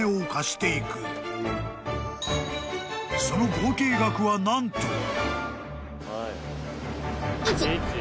［その合計額はなんと］